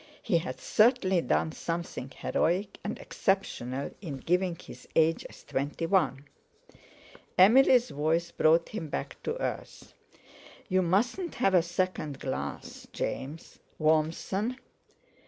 He had certainly done something heroic and exceptional in giving his age as twenty one. Emily's voice brought him back to earth. "You mustn't have a second glass, James. Warmson!"